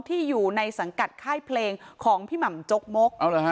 ที่อยู่ในสังกัดค่ายเพลงของพี่หม่ำจกมก